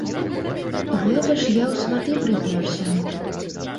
Гэта ж я ў сваты прыпёрся.